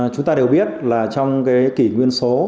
chúng ta đều biết là trong kỷ nguyên số